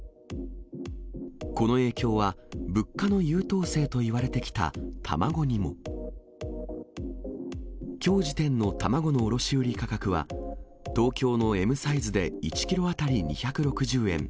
この影響は、物価の優等生といわれてきた卵にも。きょう時点の卵の卸売り価格は、東京のＭサイズで１キロ当たり２６０円。